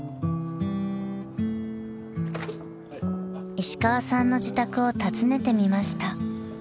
［石川さんの自宅を訪ねてみました］